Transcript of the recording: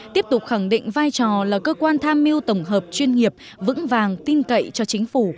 tiếp tục khẳng định vai trò là cơ quan tham mưu tổng hợp chuyên nghiệp vững vàng tin cậy cho chính phủ